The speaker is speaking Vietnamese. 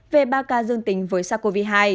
về ba ca dương tính với sars cov hai